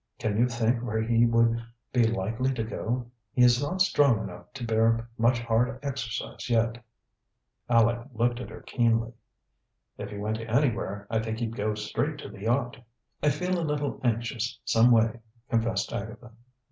"Can you think where he would be likely to go? He is not strong enough to bear much hard exercise yet." Aleck looked at her keenly. "If he went anywhere, I think he'd go straight to the yacht." "I feel a little anxious, someway," confessed Agatha.